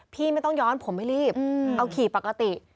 พี่ไม่ต้องย้อนผมไม่รีบเอาขี่ปกติ